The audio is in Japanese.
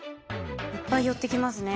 いっぱい寄ってきますね。